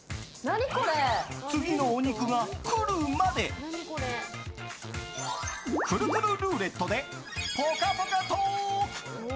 次のお肉が来るまでくるくるルーレットでぽかぽかトーク。